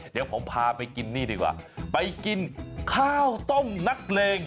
เดี๋ยวผมพาไปกินนี่ดีกว่าไปกินข้าวต้มนักเลง